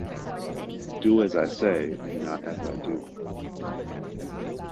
Do as I say and not as I do.